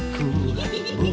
nggak udah yo